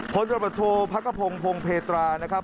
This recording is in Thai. พฤตภพักพงษ์พงษ์เพเตรานะครับ